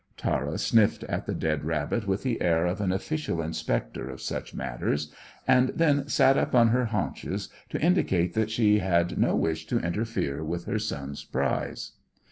Tara sniffed at the dead rabbit with the air of an official inspector of such matters, and then sat up on her haunches to indicate that she had no wish to interfere with her son's prize.